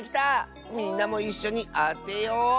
みんなもいっしょにあてよう！